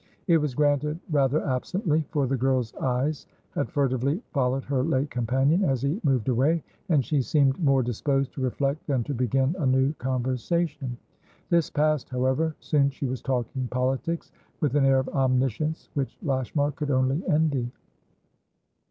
It was granted rather absently; for the girl's eyes had furtively followed her late companion as he moved away, and she seemed more disposed to reflect than to begin a new conversation. This passed, however; soon she was talking politics with an air of omniscience which Lashmar could only envy.